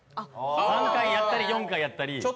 ３回やったり４回やったり。